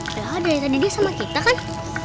padahal dari tadi dia sama kita kan